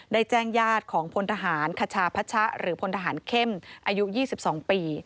ได้แจ้งญาติของพลทหารคชาพัชะหรือพลทหารเข้มอายุ๒๒ปี